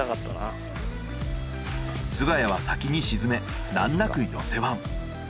菅谷は先に沈め難なく寄せワン。